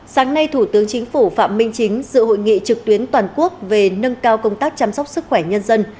sáng nay thủ tướng chính phủ phạm minh chính dự hội nghị trực tuyến toàn quốc về nâng cao công tác chăm sóc sức khỏe nhân dân